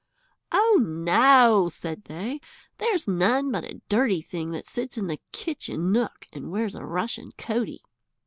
"Oh, no," said they, "there's none but a dirty thing that sits in the kitchen nook and wears a rushen coatie."